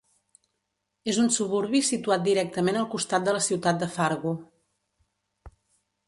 És un suburbi situat directament al costat de la ciutat de Fargo.